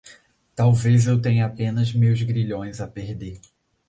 Talvez eu tenha apenas meus grilhões a perder